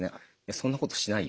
「そんなことしないよ。